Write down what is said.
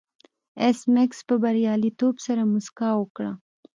ایس میکس په بریالیتوب سره موسکا وکړه